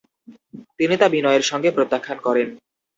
তিনি তা বিনয়ের সঙ্গে প্রত্যাখান করেন।